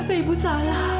setiap ibu salah